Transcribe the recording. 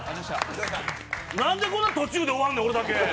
なんで途中で終わんねん、俺だけ。